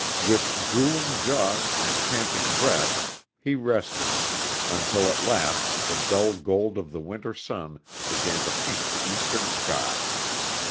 With drooling jaws and panting breath he rested, until at last the dull gold of the winter sun began to paint the eastern sky.